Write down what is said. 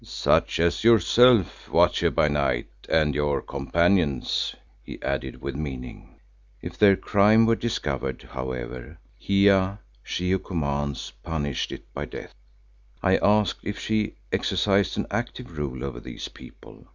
"Such as yourself, Watcher by Night, and your companions," he added with meaning. If their crime were discovered, however, Hiya, She who commands, punished it by death. I asked if she exercised an active rule over these people.